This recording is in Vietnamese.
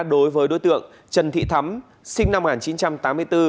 đối với đối tượng trần thị thắm sinh năm một nghìn chín trăm tám mươi bốn